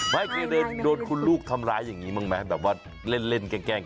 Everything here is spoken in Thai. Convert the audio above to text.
มั้ยเคยโดนคุณลูกทำร้ายอย่างนี้มั้ยแบบว่าเล่นแกล้งกัน